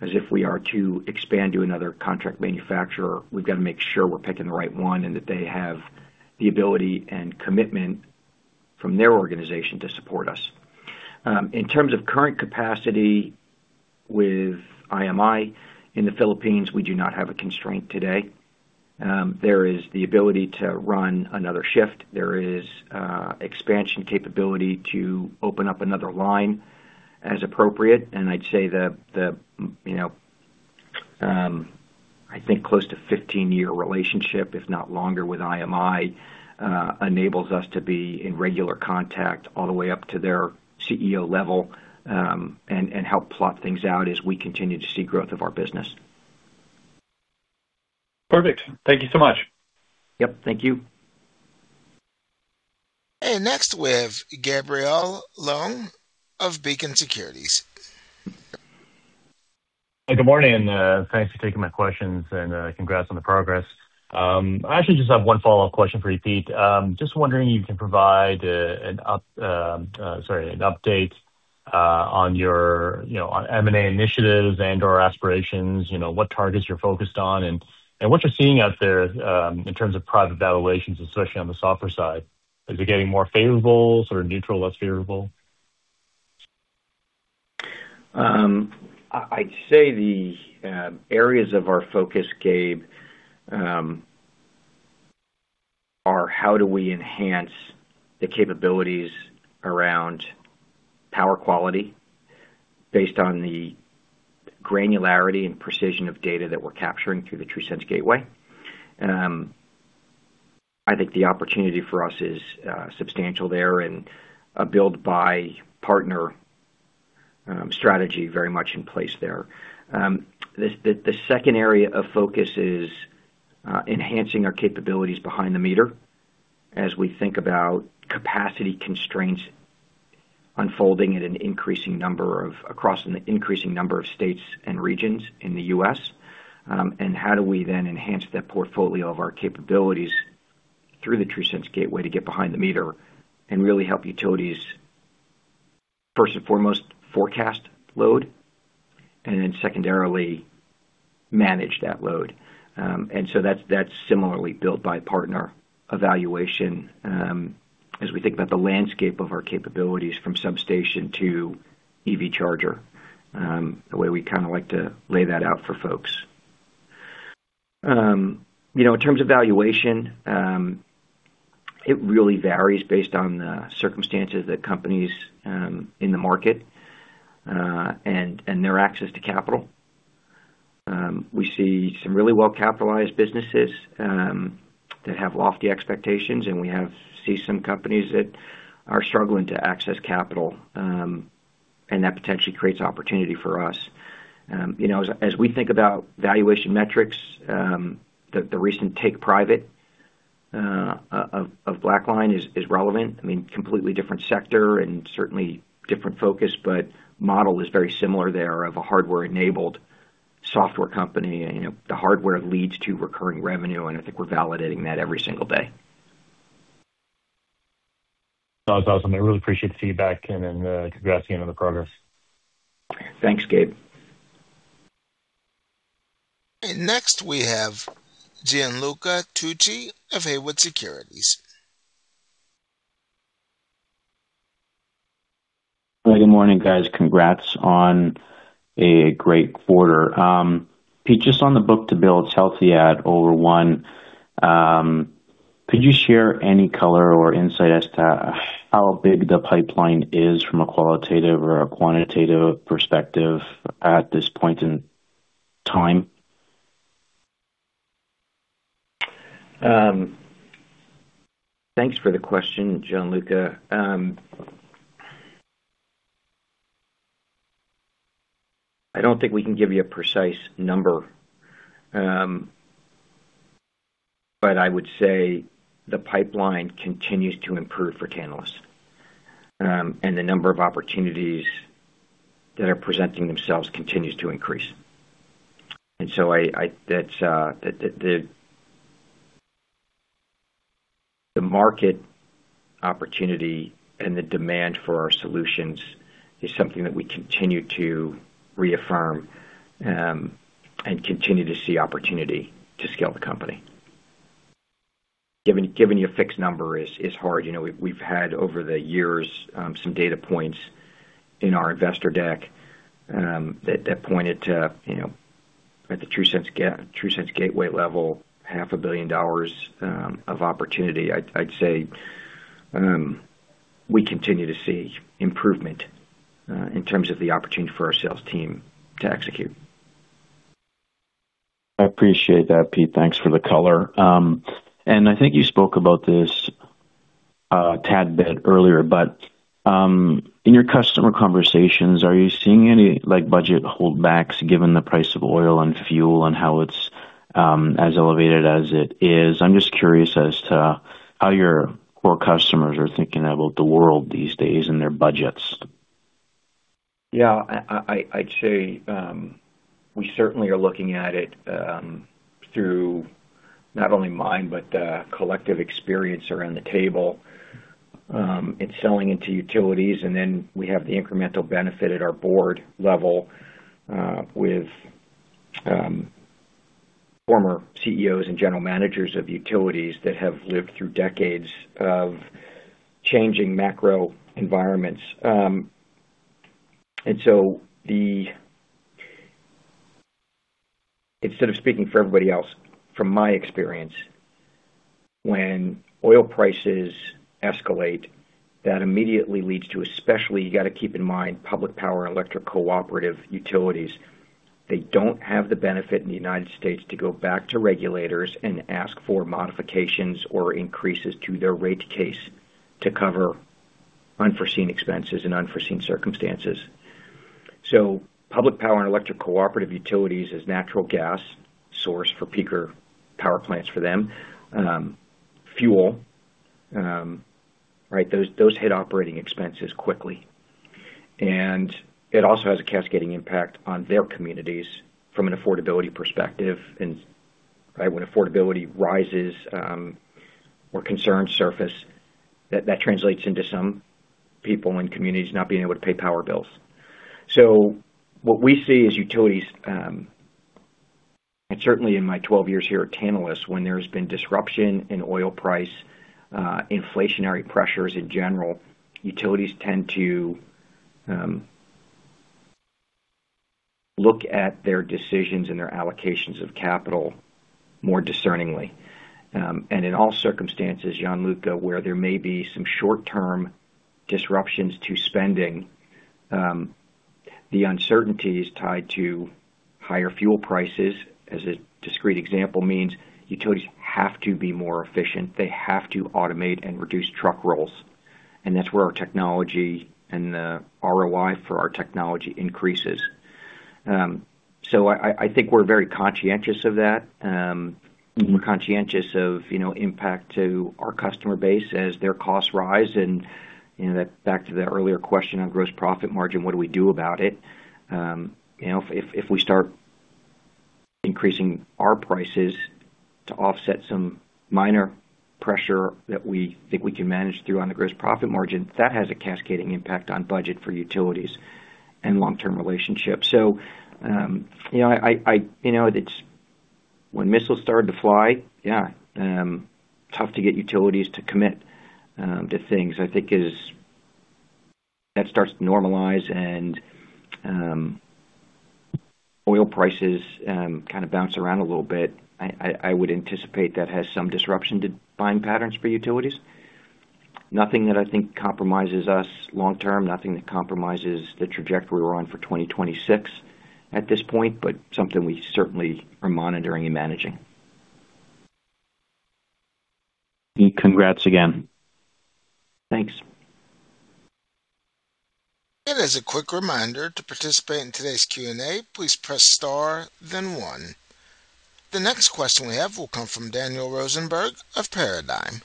as if we are to expand to another contract manufacturer. We've got to make sure we're picking the right one and that they have the ability and commitment from their organization to support us. In terms of current capacity with IMI in the Philippines, we do not have a constraint today. There is the ability to run another shift. There is expansion capability to open up another line as appropriate. I'd say the, you know, I think close to 15-year relationship, if not longer, with IMI enables us to be in regular contact all the way up to their CEO level and help plot things out as we continue to see growth of our business. Perfect. Thank you so much. Yep. Thank you. Next, we have Gabriel Leung of Beacon Securities. Good morning, and thanks for taking my questions, and congrats on the progress. I actually just have one follow-up question for you, Pete. Just wondering if you can provide an update on your, you know, on M&A initiatives and/or aspirations, you know, what targets you're focused on and what you're seeing out there in terms of private valuations, especially on the software side. Is it getting more favorable, sort of neutral, less favorable? I'd say the areas of our focus, Gabe, are how do we enhance the capabilities around power quality based on the granularity and precision of data that we're capturing through the TRUSense Gateway. I think the opportunity for us is substantial there and a build, buy, partner strategy very much in place there. The, the second area of focus is enhancing our capabilities behind the meter as we think about capacity constraints unfolding across an increasing number of states and regions in the U.S. and how do we then enhance that portfolio of our capabilities through the TRUSense Gateway to get behind the meter and really help utilities, first and foremost, forecast load, and then secondarily manage that load. That's, that's similarly built by partner evaluation, as we think about the landscape of our capabilities from substation to EV charger, the way we kinda like to lay that out for folks. You know, in terms of valuation, it really varies based on the circumstances that companies in the market, and their access to capital. We see some really well-capitalized businesses that have lofty expectations, and we see some companies that are struggling to access capital, and that potentially creates opportunity for us. You know, as we think about valuation metrics, the recent take private of BlackLine is relevant. I mean, completely different sector and certainly different focus, but model is very similar there of a hardware-enabled software company. You know, the hardware leads to recurring revenue, and I think we're validating that every single day. That was awesome. I really appreciate the feedback and congrats again on the progress. Thanks, Gabe. Next we have Gianluca Tucci of Haywood Securities. Good morning, guys. Congrats on a great quarter. Pete, just on the book-to-bill, it's healthy at over one. Could you share any color or insight as to how big the pipeline is from a qualitative or a quantitative perspective at this point in time? Thanks for the question, Gianluca. I don't think we can give you a precise number. I would say the pipeline continues to improve for Tantalus, and the number of opportunities that are presenting themselves continues to increase. That's the market opportunity and the demand for our solutions is something that we continue to reaffirm and continue to see opportunity to scale the company. Giving you a fixed number is hard. You know, we've had over the years, some data points in our investor deck, that pointed to, you know, at the TRUSense Gateway level, half a billion dollars of opportunity. I'd say, we continue to see improvement in terms of the opportunity for our sales team to execute. I appreciate that, Pete. Thanks for the color. I think you spoke about this a tad bit earlier, in your customer conversations, are you seeing any, like, budget holdbacks given the price of oil and fuel and how it's as elevated as it is? I'm just curious as to how your core customers are thinking about the world these days and their budgets. Yeah. I'd say, we certainly are looking at it, through not only mine, but the collective experience around the table, in selling into utilities, and then we have the incremental benefit at our board level, with former CEOs and general managers of utilities that have lived through decades of changing macro environments. The Instead of speaking for everybody else, from my experience, when oil prices escalate, that immediately leads to, especially you gotta keep in mind public power and electric cooperative utilities, they don't have the benefit in the United States to go back to regulators and ask for modifications or increases to their rate case to cover unforeseen expenses and unforeseen circumstances. Public power and electric cooperative utilities is natural gas sourced for peaker power plants for them, fuel. Right? Those hit operating expenses quickly. It also has a cascading impact on their communities from an affordability perspective. Right? When affordability rises, or concerns surface, that translates into some people in communities not being able to pay power bills. What we see is utilities, and certainly in my 12 years here at Tantalus, when there's been disruption in oil price, inflationary pressures in general, utilities tend to look at their decisions and their allocations of capital more discerningly. In all circumstances, Gianluca, where there may be some short-term disruptions to spending, the uncertainties tied to higher fuel prices, as a discrete example, means utilities have to be more efficient. They have to automate and reduce truck rolls, and that's where our technology and the ROI for our technology increases. I think we're very conscientious of that. We're conscientious of, you know, impact to our customer base as their costs rise. You know, back to that earlier question on gross profit margin, what do we do about it? You know, if we start increasing our prices to offset some minor pressure that we think we can manage through on the gross profit margin, that has a cascading impact on budget for utilities and long-term relationships. You know, I, you know, it's when missiles started to fly, tough to get utilities to commit to things. I think as that starts to normalize and oil prices kind of bounce around a little bit, I would anticipate that has some disruption to buying patterns for utilities. Nothing that I think compromises us long term, nothing that compromises the trajectory we're on for 2026 at this point, but something we certainly are monitoring and managing. Congrats again. Thanks. As a quick reminder, to participate in today's Q&A, please press star then one. The next question we have will come from Daniel Rosenberg of Paradigm.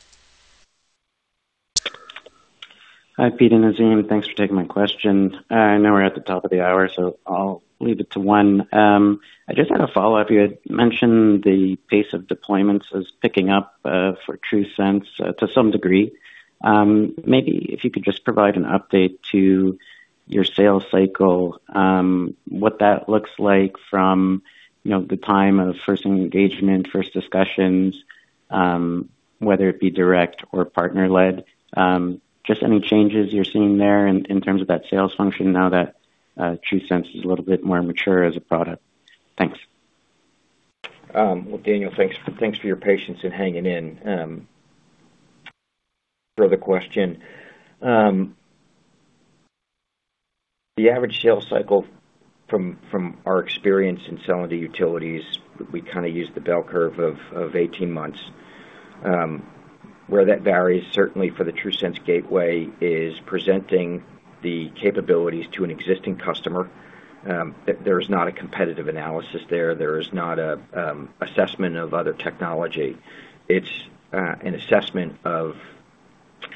Hi, Pete and Azim. Thanks for taking my questions. I know we're at the top of the hour, so I'll leave it to one. I just had a follow-up. You had mentioned the pace of deployments is picking up for TRUSense to some degree. Maybe if you could just provide an update to your sales cycle, what that looks like from, you know, the time of first engagement, first discussions, whether it be direct or partner-led. Just any changes you're seeing there in terms of that sales function now that TRUSense is a little bit more mature as a product. Thanks. Well, Daniel, thanks for your patience in hanging in for the question. The average sales cycle from our experience in selling to utilities, we kind of use the bell curve of 18 months. Where that varies, certainly for the TRUSense Gateway, is presenting the capabilities to an existing customer. There is not a competitive analysis there. There is not a assessment of other technology. It's an assessment of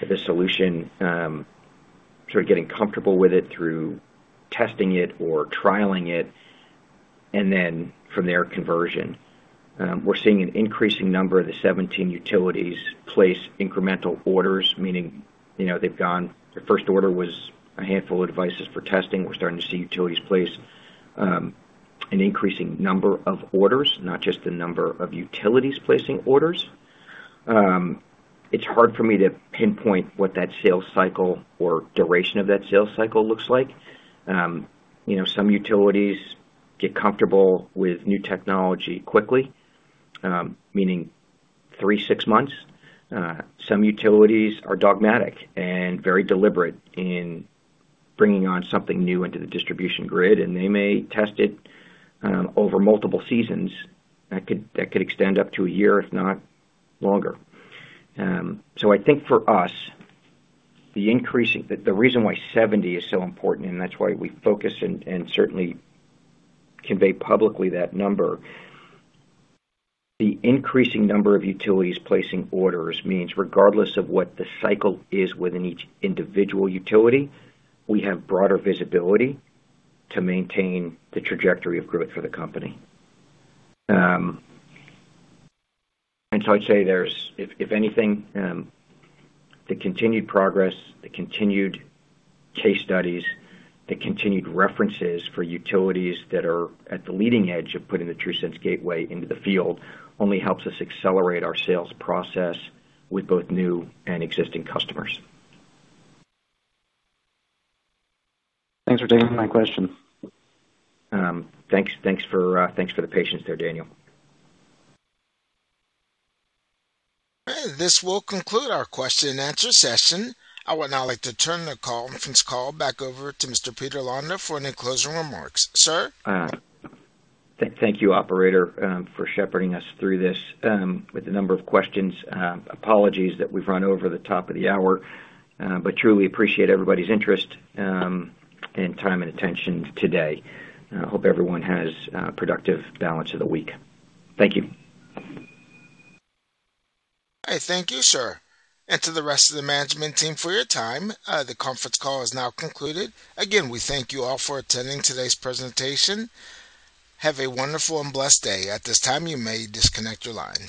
the solution, sort of getting comfortable with it through testing it or trialing it, and then from there, conversion. We're seeing an increasing number of the 17 utilities place incremental orders, meaning, you know, they've gone. Their first order was a handful of devices for testing. We're starting to see utilities place an increasing number of orders, not just the number of utilities placing orders. It's hard for me to pinpoint what that sales cycle or duration of that sales cycle looks like. You know, some utilities get comfortable with new technology quickly, meaning three, six months. Some utilities are dogmatic and very deliberate in bringing on something new into the distribution grid, and they may test it over multiple seasons. That could extend up to a year, if not longer. I think for us, the reason why 70 is so important, and that's why we focus and certainly convey publicly that number, the increasing number of utilities placing orders means regardless of what the cycle is within each individual utility, we have broader visibility to maintain the trajectory of growth for the company. I'd say there's, if anything, the continued progress, the continued case studies, the continued references for utilities that are at the leading edge of putting the TRUSense Gateway into the field only helps us accelerate our sales process with both new and existing customers. Thanks for taking my question. Thanks for the patience there, Daniel. Okay, this will conclude our question and answer session. I would now like to turn the conference call back over to Mr. Peter Londa for any closing remarks. Sir? Thank you, operator, for shepherding us through this with a number of questions. Apologies that we've run over the top of the hour, truly appreciate everybody's interest and time and attention today. I hope everyone has a productive balance of the week. Thank you. All right. Thank you, sir. To the rest of the management team for your time. The conference call is now concluded. Again, we thank you all for attending today's presentation. Have a wonderful and blessed day. At this time you may disconnect your lines.